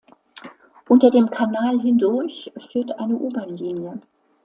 Unter dem Kanal hindurch führt eine U-Bahnlinie.